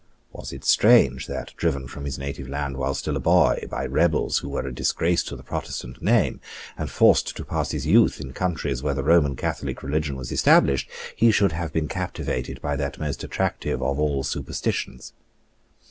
Was it strange that, driven from his native land, while still a boy, by rebels who were a disgrace to the Protestant name, and forced to pass his youth in countries where the Roman Catholic religion was established, he should have been captivated by that most attractive of all superstitions?